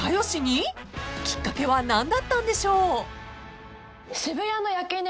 ［きっかけは何だったんでしょう？］